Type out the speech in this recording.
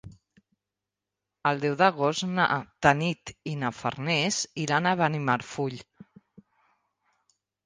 El deu d'agost na Tanit i na Farners iran a Benimarfull.